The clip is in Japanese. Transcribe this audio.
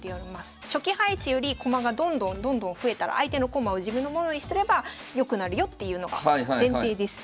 初期配置より駒がどんどんどんどん増えたら相手の駒を自分のものにすれば良くなるよっていうのが前提です。